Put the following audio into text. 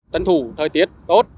tân thủ thời tiết tốt